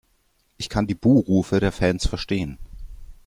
Ich kann die Buh-Rufe der Fans verstehen.